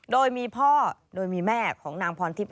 โดยมีพ่อโดยมีแม่ของนางพรทิพย